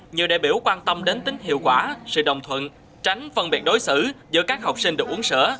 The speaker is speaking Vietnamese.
nhiều đại biểu quan tâm đến tính hiệu quả sự đồng thuận tránh phân biệt đối xử giữa các học sinh được uống sữa